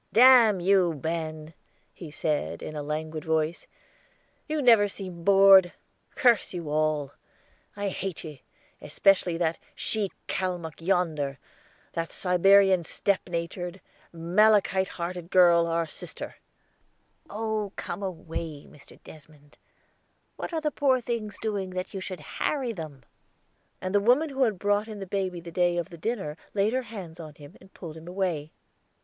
"Damn you, Ben," he said, in a languid voice: "you never seem bored. Curse you all. I hate ye, especially that she Calmuck yonder that Siberian steppe natured, malachite hearted girl, our sister." "Oh come away, Mr. Desmond. What are the poor things doing that you should harry them?" and the woman who had brought in the baby the day of the dinner laid her hands on him and pulled him away.